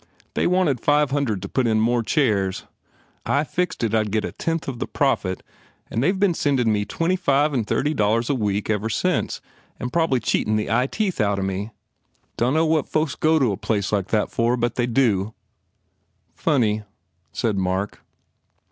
They wanted five hundred to put in more chairs. I fixed it I d get a tenth the profit and they ve been sendin me twenty five and thirty dollars a week ever since and prob ly cheatin the eye teeth out of me. Dunno what folks go to the place for but they do." "Funny," said Mark.